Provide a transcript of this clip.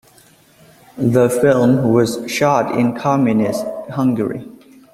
The film was shot in Communist Hungary.